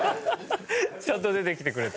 ちゃんと出てきてくれた。